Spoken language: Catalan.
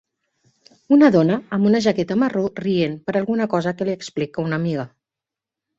Una dona amb una jaqueta marró rient per alguna cosa que li explica una amiga.